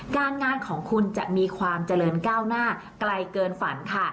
การงานของคุณจะมีความเจริญก้าวหน้าไกลเกินฝันค่ะ